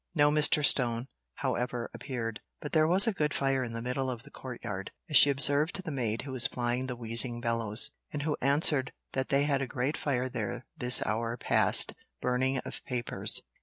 No Mr. Stone, however, appeared; but there was a good fire in the middle of the court yard, as she observed to the maid who was plying the wheezing bellows; and who answered that they had had a great fire there this hour past "burning of papers."